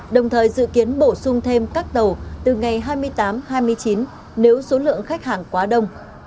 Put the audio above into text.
đồng thời dự kiến bổ sung thêm các tàu từ ngày hai mươi tám hai mươi chín nếu số lượng khách hàng quá đông